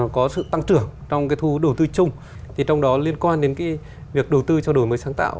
có sự tăng trưởng trong thu hút đầu tư chung trong đó liên quan đến việc đầu tư cho đổi mới sáng tạo